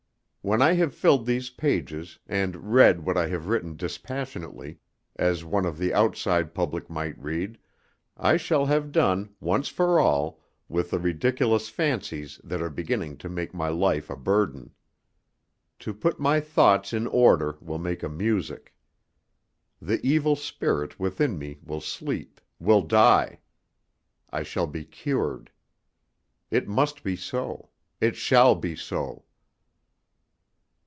When I have filled these pages, and read what I have written dispassionately, as one of the outside public might read, I shall have done, once for all, with the ridiculous fancies that are beginning to make my life a burden. To put my thoughts in order will make a music. The evil spirit within me will sleep, will die. I shall be cured. It must be so it shall be so.